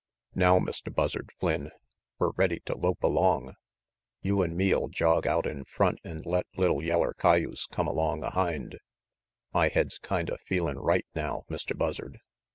"Now, Mr. Buzzard Flynn, we're ready to lope along. You an' me'll jog out in front an' let li'l cayuse come along ahind. My head's kinda feelin' right now, Mr. Buzzard.